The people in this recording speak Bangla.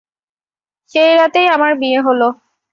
সেই রাতেই আমার বিয়ে হল।